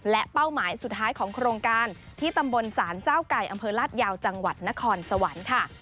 และเป้าหมายสุดท้ายของโครงการที่ตำบลศาลเจ้าไก่อำเภอลาดยาวจังหวัดนครสวรรค์ค่ะ